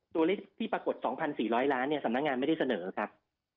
ตัวเลขที่ปรากฏ๒๔๐๐ล้านสำนักงานไม่ได้เสนอครับ